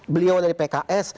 beliau dari pks